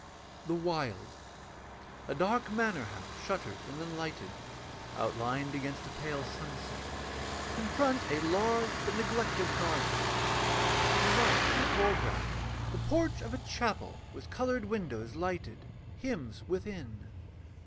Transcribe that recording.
THE WILD KNIGHT _A dark manor house shuttered and unlighted, outlined against a pale sunset: in front a large, but neglected, garden. To the right, in the foreground, the porch of a chapel, with coloured windows lighted. Hymns within.